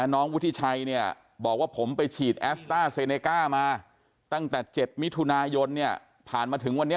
วุฒิชัยเนี่ยบอกว่าผมไปฉีดแอสต้าเซเนก้ามาตั้งแต่๗มิถุนายนเนี่ยผ่านมาถึงวันนี้